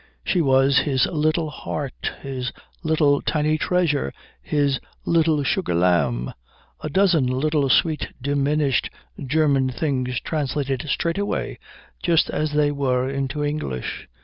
She was his Little Heart, his Little Tiny Treasure, his Little Sugar Lamb a dozen little sweet diminished German things translated straight away just as they were into English.